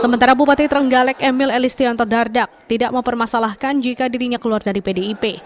sementara bupati terenggalek emil elistianto dardak tidak mempermasalahkan jika dirinya keluar dari pdip